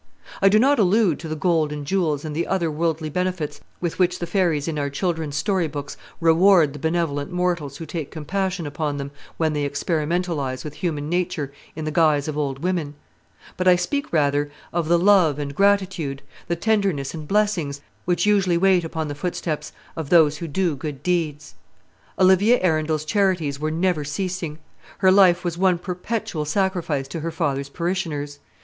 I do not allude to the gold and jewels and other worldly benefits with which the fairies in our children's story books reward the benevolent mortals who take compassion upon them when they experimentalise with human nature in the guise of old women; but I speak rather of the love and gratitude, the tenderness and blessings, which usually wait upon the footsteps of those who do good deeds. Olivia Arundel's charities were never ceasing; her life was one perpetual sacrifice to her father's parishioners.